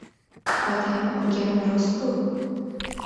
Otangni urganim rost-ku!